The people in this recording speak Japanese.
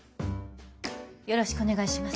よろしくお願いします